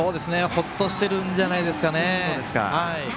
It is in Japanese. ほっとしているんじゃないですか。